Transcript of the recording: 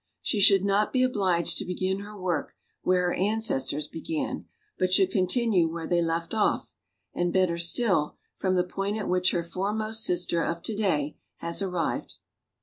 She should not be obliged to begin her work where her ancestors began, but should continue where they left off, and, better still, from the point at which her foremost sister of to day has arrived.